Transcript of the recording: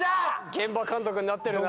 現場監督になってるなぁ。